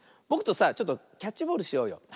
ぼくとさちょっとキャッチボールしようよ。